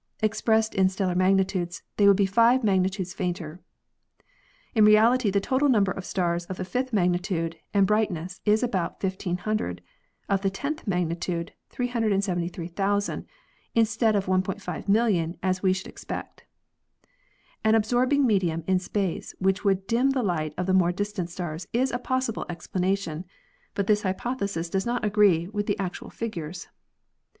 Ex pressed in stellar magnitudes, they would be five magni tudes fainter. In reality the total number of stars of the fifth magnitude and brightness is about 1,500, of the tenth magnitude 373,000, instead of 1,500,000 as we should ex pect. An absorbing medium in space which would dim the light of the more distant stars is a possible explanation, but this hypothesis does not agree with the actual figures.